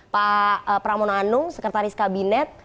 pak pramonanung sekretaris kabinet